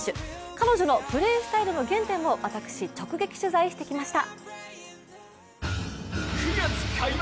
彼女のプレースタイルの原点を私、直撃取材してきました。